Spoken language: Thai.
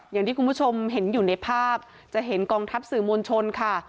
อย่างที่คุณผู้ชมเห็นอยู่ในภาพจะเห็นกองทัพสื่อมวลชนค่ะ